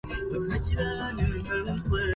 أحبب إلي بطيف سعدى الآتي